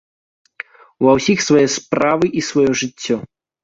Ва ўсіх свае справы і сваё жыццё.